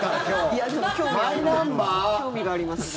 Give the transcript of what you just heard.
いや、でも興味がありますね。